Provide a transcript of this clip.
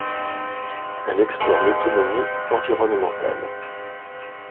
Elle explore l’autonomie environnementale.